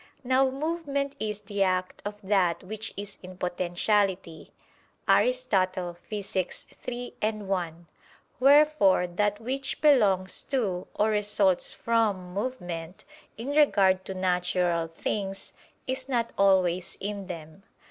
Now movement is "the act of that which is in potentiality" (Aristotle, Phys. iii, 1). Wherefore that which belongs to, or results from, movement, in regard to natural things, is not always in them.